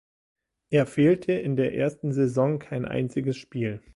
Er fehlte in der ersten Saison kein einziges Spiel.